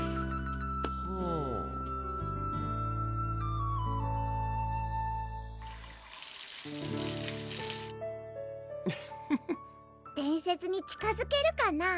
はぁウフフ伝説に近づけるかな？